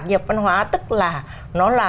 nghiệp văn hóa tức là nó là